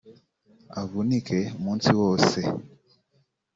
avunike umunsi woseee